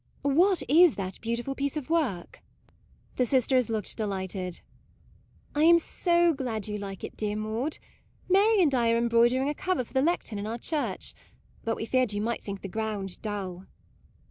What is that beautiful piece of work? " MAUDE . 37 The sisters looked delighted. " I am so glad you like it, dear Maude. Mary and I are embroidering a cover for the lectern in our church ; but we feared you might think the ground dull."